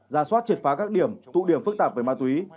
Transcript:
ra soát triệt phá các điểm tụ điểm phức tạp về ma túy